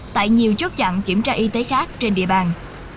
tại nhiều chốt chặn kiểm tra y tế khác trên địa bàn